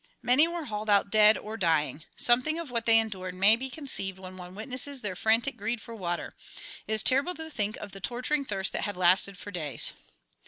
Many were hauled out dead or dying. Something of what they endured may be conceived when one witnesses their frantic greed for water. It is terrible to think of the torturing thirst that had lasted for days.